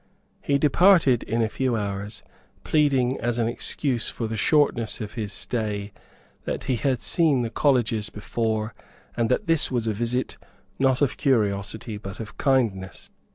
He departed in a few hours, pleading as an excuse for the shortness of his stay that he had seen the colleges before, and that this was a visit, not of curiosity, but of kindness.